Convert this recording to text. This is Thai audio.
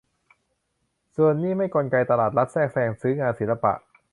ส่วนนี่ไม่กลไกตลาด รัฐแทรกแซง ซื้องานศิลปะ